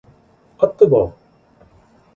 앗, 뜨거!